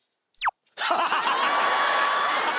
ハハハハ。